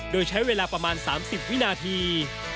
โดยใช้เวลาประมาณ๓๐วินาที